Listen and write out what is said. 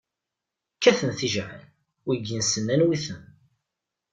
Kkaten tijɛal, wigi nessen anwi-ten.